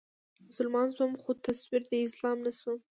مسلمان شوم خو تصوير د اسلام نه شوم